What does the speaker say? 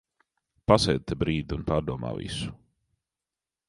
Pasēdi te brīdi un pārdomā visu.